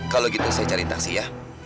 kalau gitu saya cari taksi ya